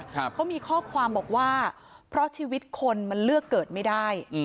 เขามีข้อความบอกว่าเพราะชีวิตคนมันเลือกเกิดไม่ได้อืม